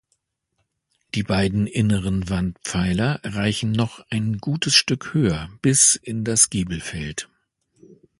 Die beiden inneren Wandpfeiler reichen noch ein gutes Stück höher, bis in das Giebelfeld.